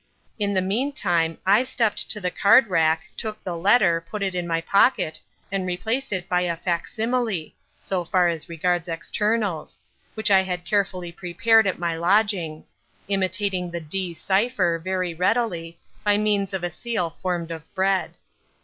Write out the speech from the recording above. In the meantime, I stepped to the card rack, took the letter, put it in my pocket, and replaced it by a fac simile, (so far as regards externals,) which I had carefully prepared at my lodgings—imitating the D—— cipher, very readily, by means of a seal formed of bread.